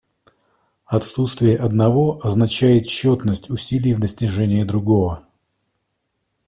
Отсутствие одного означает тщетность усилий в достижении другого.